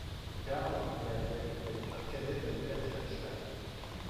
Carl, né à Vienne est le frère cadet d'Albert Ehrenstein.